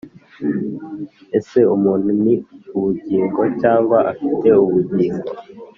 ese umuntu ni ubugingo, cyangwa afite ubugingo?